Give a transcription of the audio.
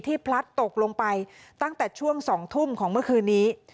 พลัดตกลงไปตั้งแต่ช่วง๒ทุ่มของเมื่อคืนนี้